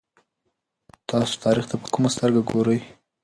تاسو تاریخ ته په کومه سترګه ګورئ؟